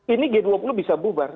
ini g dua puluh bisa bubar